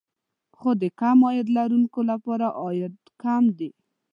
خو د کم عاید لرونکو لپاره عواید کم دي